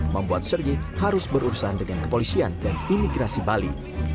membuat sergi harus berurusan dengan kepolisian dan imigrasi bali